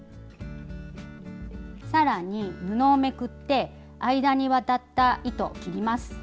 さらに布をめくって間に渡った糸を切ります。